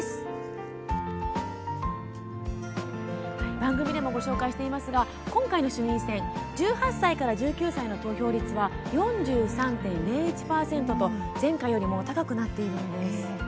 番組でもご紹介していますが今回の衆院選１８歳から１９歳の投票率は４３．０１％と前回よりも高くなっているんですよね。